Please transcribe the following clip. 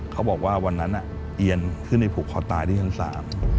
เขาบอกว่าวันนั้นเอียนขึ้นไปผูกคอตายที่ชั้นสาม